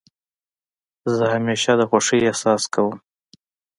زه همېشه د خوښۍ احساس کوم.